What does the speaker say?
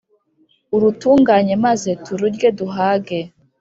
urutunganye maze tururye duhage